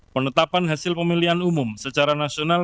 penetapan hasil pemilihan umum secara nasional